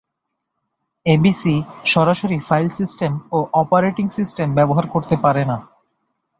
ABC সরাসরি file system ও operating system ব্যবহার করতে পারে না।